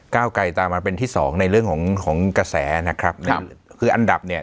เก้าไกลตามมาเป็นที่สองในเรื่องของของกระแสนะครับคืออันดับเนี่ย